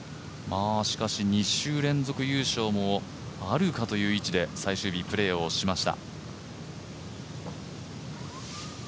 しかし、２週連続優勝もあるかという位置で最終日、プレーをしました。